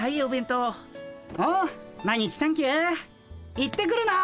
行ってくるな！